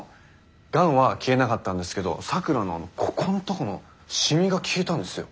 がんは消えなかったんですけど咲良のここのとこのシミが消えたんですよ。